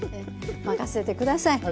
任せて下さい！